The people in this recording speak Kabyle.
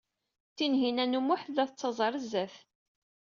Tinhinan u Muḥ tella tettaẓ ɣer sdat.